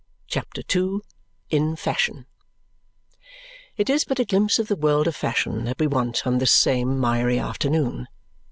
CHAPTER II In Fashion It is but a glimpse of the world of fashion that we want on this same miry afternoon.